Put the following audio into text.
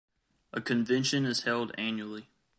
A convention is held annually.